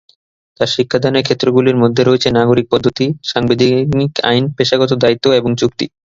তাঁর শিক্ষাদানের ক্ষেত্রগুলির মধ্যে রয়েছে নাগরিক পদ্ধতি, সাংবিধানিক আইন, পেশাগত দায়িত্ব এবং চুক্তি।